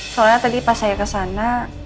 soalnya tadi pas saya kesana